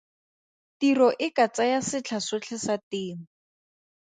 Tiro e ka tsaya setlha sotlhe sa temo.